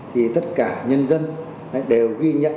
thì tất cả nhân dân đều ghi nhận